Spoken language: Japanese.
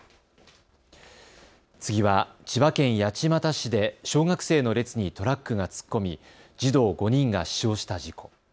次は千葉県八街市で小学生の列にトラックが突っ込み、児童５人が死傷した事故。